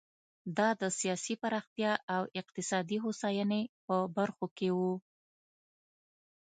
دا د سیاسي پراختیا او اقتصادي هوساینې په برخو کې و.